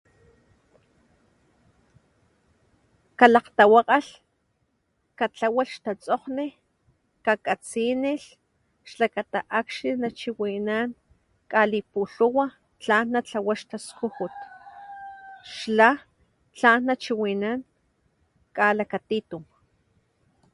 Kalakgtawakgalh, katlawalh xtatsogní kakatsinilh, xlakata akní nachiwinan kalipulhuwa tlan natlawa xtaskujut xla tlan nachiwinan kalakatitum.